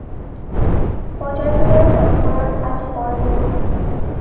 পঁজাৰ ভিতৰৰ মানুহবোৰৰ আজি বৰ দুখ।